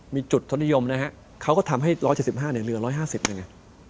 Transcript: มีจุดทศนิยมนะฮะเขาก็ทำให้๑๗๕เนี่ยเหลือ๑๕๐เป็นไง